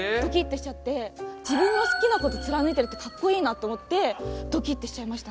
自分の好きな事貫いてるって格好いいなって思ってドキッてしちゃいました。